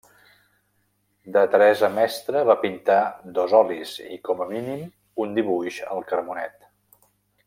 De Teresa Mestre va pintar dos olis i, com a mínim, un dibuix al carbonet.